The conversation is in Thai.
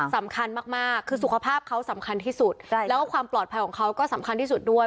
สำคัญมากคือสุขภาพเขาสำคัญที่สุดแล้วก็ความปลอดภัยของเขาก็สำคัญที่สุดด้วย